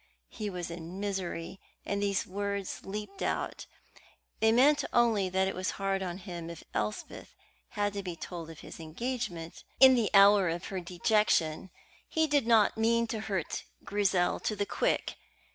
He was in misery, and these words leaped out. They meant only that it was hard on him if Elspeth had to be told of his engagement in the hour of her dejection. He did not mean to hurt Grizel to the quick.